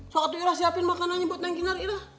so waktu ira siapin makanannya buat neng kinar ira